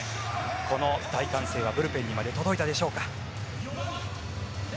この大歓声はブルペンまで届いたでしょうか。